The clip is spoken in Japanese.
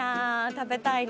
食べたいな。